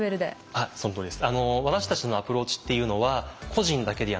あっそのとおりです。